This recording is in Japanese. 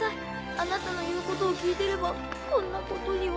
あなたの言うことを聞いてればこんなことには。